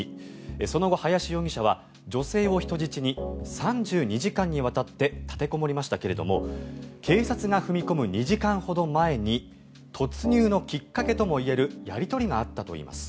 その後、林容疑者は女性を人質に３２時間にわたって立てこもりましたけれども警察が踏み込む２時間ほど前に突入のきっかけともいえるやり取りがあったといいます。